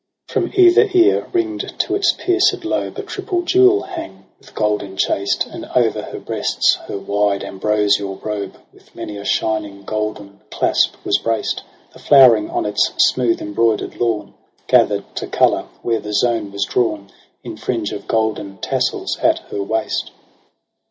i66 EROS e^ PSYCHE From either ear, ring'd to its pierced lobe A triple jewel hung, with gold enchas't j And o'er her breasts her wide ambrosial robe With many a shining golden clasp was brac't • The flowering on its smooth embroider'd lawn Gathered to colour where the zone was drawn In fringe of golden tassels at her waist.